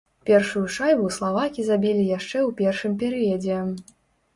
Першую шайбу славакі забілі яшчэ ў першым перыядзе.